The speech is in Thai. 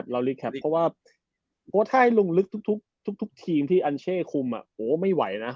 เพราะว่าเพราะว่าถ้าให้ลงลึกทุกทุกทุกทุกทีมที่อัลเชฟคุมอ่ะโอ้ไม่ไหวน่ะ